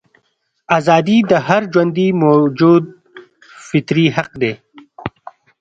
ازادي د هر ژوندي موجود فطري حق دی.